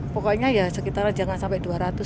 pokoknya ya sekitar jangan sampai dua ratus